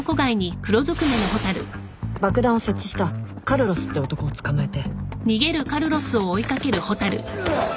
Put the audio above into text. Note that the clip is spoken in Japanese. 爆弾を設置したカルロスって男を捕まえて。